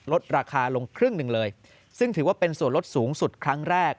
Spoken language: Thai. ลดราคาลงครึ่งหนึ่งเลยซึ่งถือว่าเป็นส่วนลดสูงสุดครั้งแรก